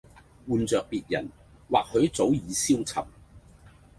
換著別人或許早已消沉